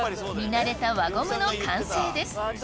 慣れた輪ゴムの完成です